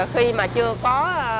khi mà chưa có